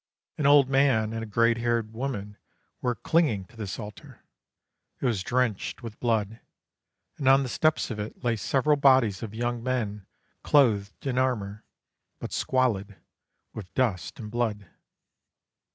An old man and a grey haired woman were clinging to this altar; it was drenched with blood, and on the steps of it lay several bodies of young men clothed in armour, but squalid with dust and blood.